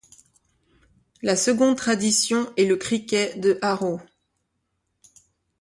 La seconde tradition est le cricket de Harrow.